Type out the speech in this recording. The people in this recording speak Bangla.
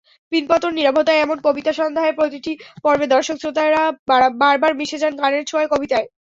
পিনপতন নিরবতায় এমন কবিতাসন্ধার প্রতিটি পর্বে দর্শক-শ্রোতারা বারবার মিশে যান গানের ছোঁয়ায় কবিতায়।